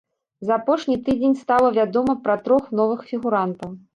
За апошні тыдзень стала вядома пра трох новых фігурантаў.